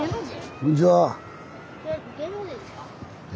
こんにちは。え？